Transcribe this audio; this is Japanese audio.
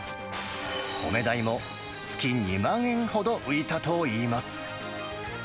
米代も月２万円台ほど浮いたといいます。